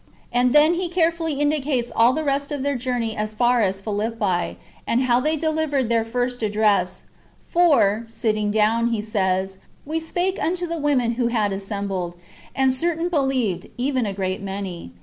And then he carefully indicates all the rest of their journey as far as Philippi, and how they delivered their first address :" for, sitting down," he says, " we spake unto the women who had assembled ;"^ and certain believed, even a great many.